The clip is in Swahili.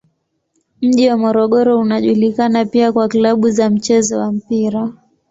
Mji wa Morogoro unajulikana pia kwa klabu za mchezo wa mpira.